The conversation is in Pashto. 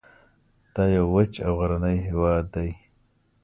دا یو وچ او غرنی هیواد دی